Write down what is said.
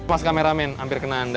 pas kameramen hampir kena anda